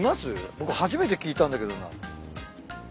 僕初めて聞いたんだけどな。